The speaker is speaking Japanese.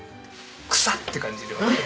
草って感じではないな。